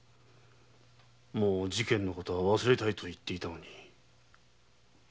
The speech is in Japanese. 事件の事は忘れたいと言っていたのに。